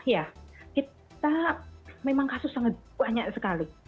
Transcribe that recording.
ya kita memang kasus sangat banyak sekali